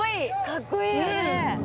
かっこいいよね